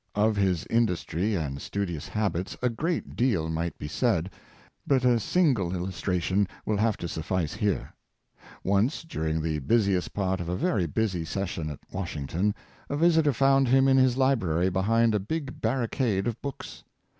Of his industry and studious habits a great deal might be said, but a single illustration will have to suf 12 178 yames A. Garfield, fice here. Once during the busiest part of a very busy session at Washington a visitor found him in his Hbrary, behind a big barricade of books.